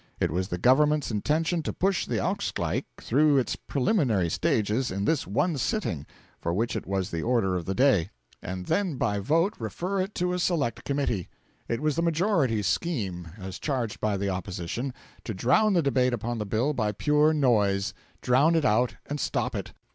It was the Government's intention to push the Ausgleich through its preliminary stages in this one sitting (for which it was the Order of the Day), and then by vote refer it to a select committee. It was the Majority's scheme as charged by the Opposition to drown debate upon the bill by pure noise drown it out and stop it.